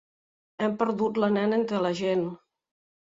Hem perdut la nena entre la gent!